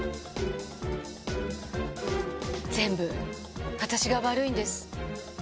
全部私が悪いんです。